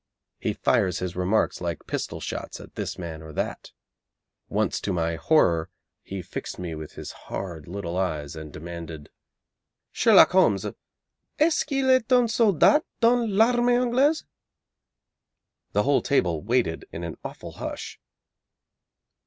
He fires his remarks like pistol shots at this man or that. Once to my horror he fixed me with his hard little eyes and demanded 'Sherlock Holmes, est ce qu'il est un soldat dans l'armée Anglaise?' The whole table waited in an awful hush.